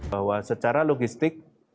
bahwa secara logistik